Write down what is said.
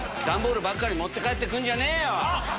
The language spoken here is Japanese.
段ボールばっかり持って帰って来るんじゃねえよ！